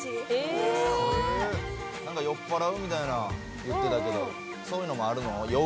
酔っ払うみたいなん言ってたけどそういうのもあるの？